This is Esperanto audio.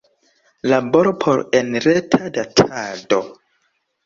Laboro por enreta datado.